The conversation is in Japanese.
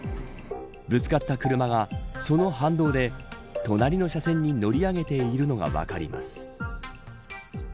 ぶつかった車が、その反動で隣の車線に乗り上げているのが分かります。